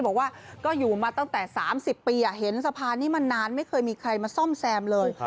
บอกว่าก็อยู่มาตั้งแต่๓๐ปีเห็นสะพานนี้มานานไม่เคยมีใครมาซ่อมแซมเลย